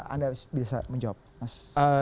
anda bisa menjawab mas